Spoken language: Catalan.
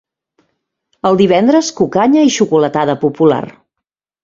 El divendres, cucanya i xocolatada popular.